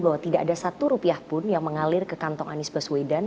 bahwa tidak ada satu rupiah pun yang mengalir ke kantong anies baswedan